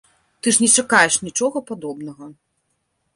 Ты ж не чакаеш нічога падобнага.